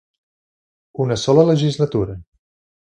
Una sola legislatura.